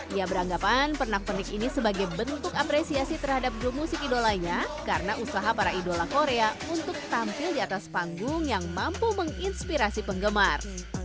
ia beranggapan pernak pernik ini sebagai bentuk apresiasi terhadap grup musik idolanya karena usaha para idola korea untuk tampil di atas panggung yang mampu menginspirasi penggemar